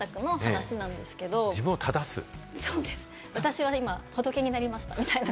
私は今、仏になりましたみたいな。